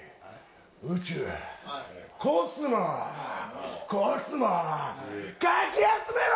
宇宙コスモコスモかき集めろ！